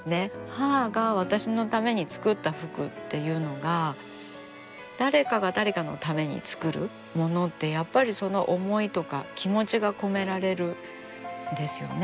母が私のために作った服っていうのが誰かが誰かのために作るものってやっぱりその思いとか気持ちが込められるんですよね。